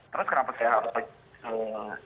terus kenapa saya harus